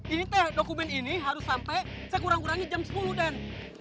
ini teh dokumen ini harus sampai sekurang kurangnya jam sepuluh dan